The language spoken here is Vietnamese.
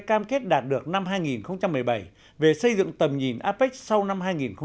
cam kết đạt được năm hai nghìn một mươi bảy về xây dựng tầm nhìn apec sau năm hai nghìn hai mươi